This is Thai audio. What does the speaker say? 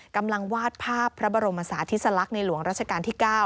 กำลังวาดภาพพระบรมศาธิสลักษณ์ในหลวงราชการที่๙